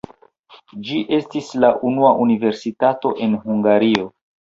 Ĝi estis la unua universitato en Hungario.